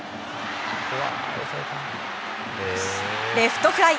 レフトフライ。